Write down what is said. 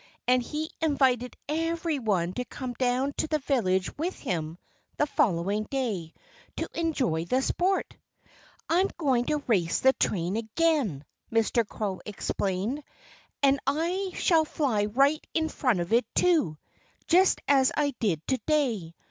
And he invited everyone to come down to the village with him the following day, to enjoy the sport. "I'm going to race the train again," Mr. Crow explained. "And I shall fly right in front of it, too just as I did to day.